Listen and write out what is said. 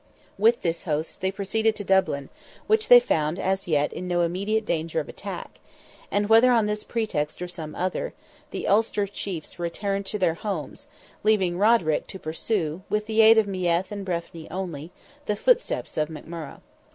With this host they proceeded to Dublin, which they found as yet in no immediate danger of attack; and whether on this pretext or some other, the Ulster chiefs returned to their homes, leaving Roderick to pursue, with the aid of Meath and Breffni only, the footsteps of McMurrogh.